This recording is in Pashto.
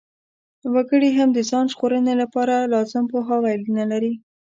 وګړي هم د ځان ژغورنې لپاره لازم پوهاوی نلري.